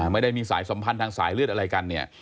ไม่ได้มีสายสัมพันธ์ทางสายเลือดอะไรกันเนี่ย